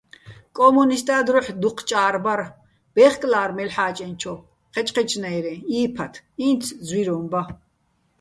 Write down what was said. კო́მუნისტა́ დროჰ̦ დუჴ ჭა́რ ბარ, ბე́ხკლა́რ მელ'ჰ̦ა́ჭენჩო, ჴეჩჴეჩნაჲრეჼ, ი́ფათ, ინც ძვიროჼ ბა.